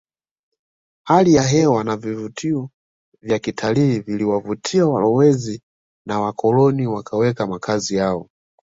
Hali ya hewa na vivutio vya kitalii viliwavutia walowezi na wakoloni wakaweka makazi yao